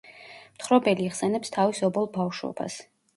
მთხრობელი იხსენებს თავის ობოლ ბავშვობას.